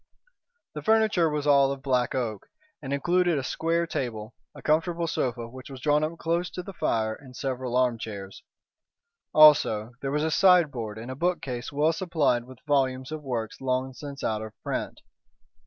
The furniture was all of black oak, and included a square table, a comfortable sofa which was drawn up close to the fire, and several arm chairs. Also there was a sideboard and a bookcase well supplied with volumes of works long since out of print.